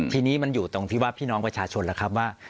ทีนี้มันอยู่ตรงที่ว่าพี่น้องประชาชนแล้วครับว่า